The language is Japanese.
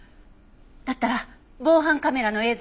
だったら防犯カメラの映像